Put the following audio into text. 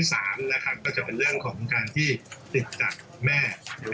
สามนะครับก็จะเป็นเรื่องของการที่ติดจากแม่